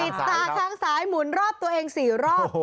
ตาทางซ้ายหมุนรอบตัวเอง๔รอบ